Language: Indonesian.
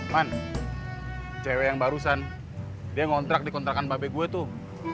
man cewek yang barusan dia ngontrak di kontrakan babek gue tuh